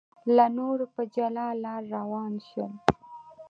له نورو په جلا لار روان شول.